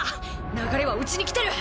流れはうちに来てる！